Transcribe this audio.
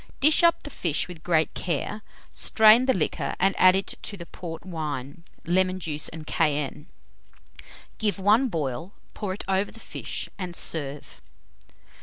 Dish up the fish with great care, strain the liquor, and add to it the port wine, lemon juice, and cayenne; give one boil, pour it over the fish, and serve.